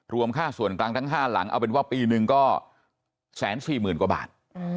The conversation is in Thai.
ค่าส่วนกลางทั้ง๕หลังเอาเป็นว่าปีนึงก็๑๔๐๐๐กว่าบาท